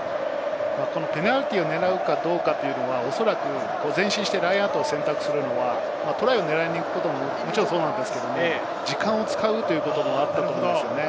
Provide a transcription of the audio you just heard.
ペナルティーを狙うかどうかというのはおそらく前進してラインアウトを選択するのはトライを狙いにいくこともそうなんですけれど、時間を使うということもあったと思うんですよね。